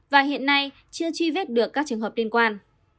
và hiện nay chưa truy vết được các trường hợp liên quan